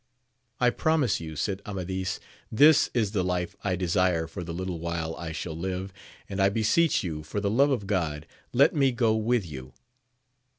I promise you, said Amadis, this is the life I desire for the little while I shall live, and I beseech you, for the love of God, let me go with you.